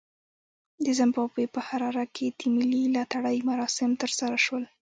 د زیمبابوې په حراره کې د ملي لاټرۍ مراسم ترسره شول.